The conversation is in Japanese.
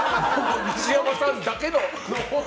西山さんだけの。